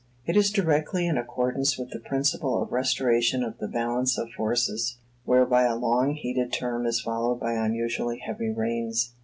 It is directly in accordance with the principle of restoration of the balance of forces, whereby a long heated term is followed by unusually heavy rains.